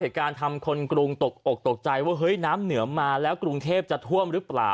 เหตุการณ์ทำโครงตกออกตกใจว่าเฮ้ยน้ำเหนือมาแล้วกรุงเทพจะถวมหรือเปล่า